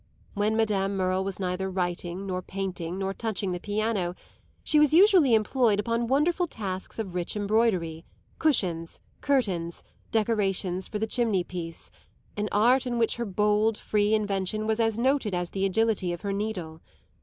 When Madame Merle was neither writing, nor painting, nor touching the piano, she was usually employed upon wonderful tasks of rich embroidery, cushions, curtains, decorations for the chimneypiece; an art in which her bold, free invention was as noted as the agility of her needle.